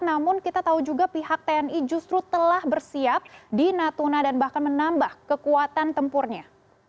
namun kita tahu juga pihak tni justru telah bersiap di natuna dan bahkan menambah kekuatan tempurnya